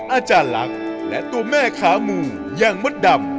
อาจารย์ลักษณ์และตัวแม่ขาหมูอย่างมดดำ